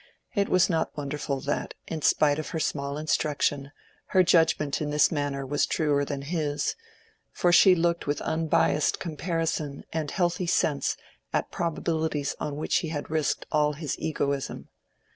It was not wonderful that, in spite of her small instruction, her judgment in this matter was truer than his: for she looked with unbiassed comparison and healthy sense at probabilities on which he had risked all his egoism.